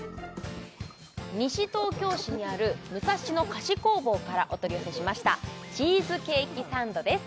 西東京市にある武蔵野菓子工房からお取り寄せしましたチーズケーキサンドです